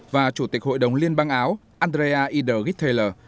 và chủ tịch hội đồng liên bang áo andrea ida gutteler